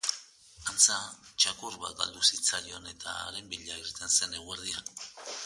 Antza, txakur bat galdu zitzaion, eta haren bila irten zen eguerdian.